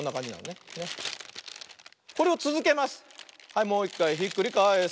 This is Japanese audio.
はい。